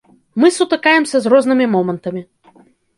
Мы сутыкаемся з рознымі момантамі.